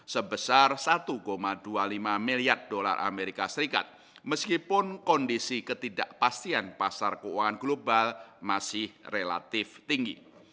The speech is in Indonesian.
sebesar satu dua puluh lima miliar dolar as meskipun kondisi ketidakpastian pasar keuangan global masih relatif tinggi